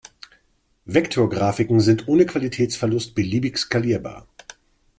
Vektorgrafiken sind ohne Qualitätsverlust beliebig skalierbar.